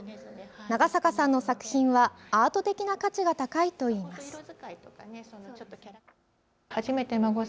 長坂さんの作品はアート的な価値が高いといいます。